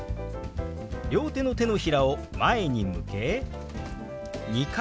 両手の手のひらを前に向け２回動かします。